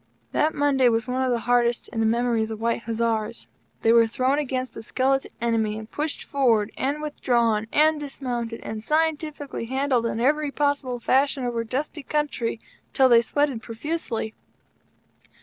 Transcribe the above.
That Monday was one of the hardest days in the memory of the White Hussars. They were thrown against a skeleton enemy, and pushed forward, and withdrawn, and dismounted, and "scientifically handled" in every possible fashion over dusty country, till they sweated profusely.